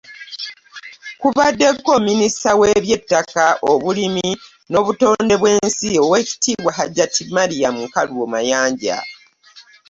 Kubaddeko minisita w'ebyettaka, obulimi n'obutonde bw'ensi, Oweekitiibwa Hajjat Mariam Nkalubo Mayanja.